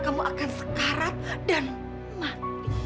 kamu akan sekarat dan mati